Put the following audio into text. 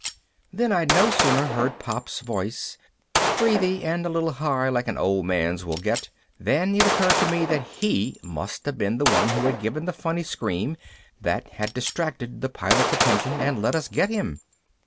Then I'd no sooner heard Pop's voice, breathy and a little high like an old man's will get, than it occurred to me that he must have been the one who had given the funny scream that had distracted the Pilot's attention and let us get him.